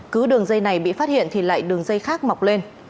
cứ đường dây này bị phát hiện thì lại đường dây khác mọc lên